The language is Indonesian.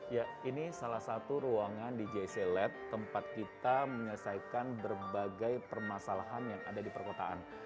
ya ini salah satu ruangan di jc lad tempat kita menyelesaikan berbagai permasalahan yang ada di perkotaan